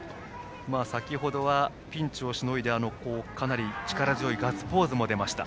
先程は、ピンチをしのいでかなり力強いガッツポーズも出ました。